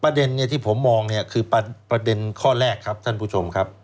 ที่ผมมองเนี่ยคือประเด็นข้อแรกครับท่านผู้ชมครับ